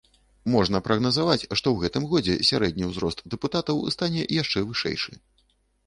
Можна прагназаваць, што ў гэтым годзе сярэдні ўзрост дэпутатаў стане яшчэ вышэйшы.